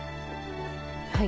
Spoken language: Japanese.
はい。